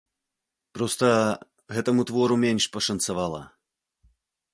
Проста, гэтаму твору менш пашанцавала.